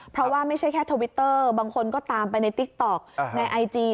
เพราะว่าไม่ใช่แค่ทวิตเตอร์บางคนก็ตามไปในติ๊กต๊อกในไอจี